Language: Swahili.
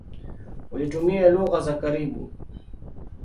Walitumia lugha za karibu.